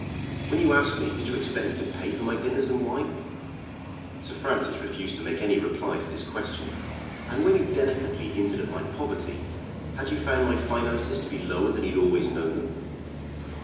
When you asked me did you expect me to pay for my dinners and wine?" Sir Francis refused to make any reply to this question. "And when you delicately hinted at my poverty, had you found my finances to be lower than you'd always known them?